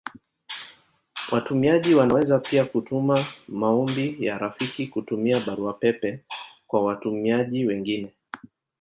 Watumiaji wanaweza pia kutuma maombi ya rafiki kutumia Barua pepe kwa watumiaji wengine.